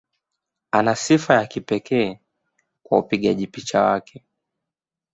Ana sifa ya kipekee kwa upigaji picha wake.